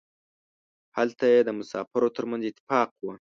هلته یې د مسافرو ترمنځ اتفاق و.